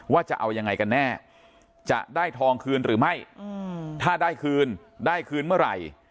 จะเอายังไงกันแน่จะได้ทองคืนหรือไม่ถ้าได้คืนได้คืนเมื่อไหร่